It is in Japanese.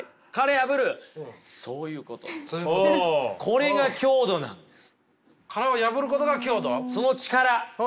これが強度なんです。